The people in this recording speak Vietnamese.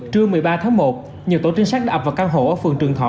trưa một mươi ba tháng một nhiều tổ trinh sát ập vào căn hộ ở phường trường thọ